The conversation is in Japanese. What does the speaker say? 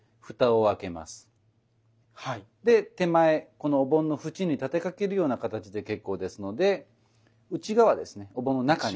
このお盆の縁に立てかけるような形で結構ですので内側ですねお盆の中に。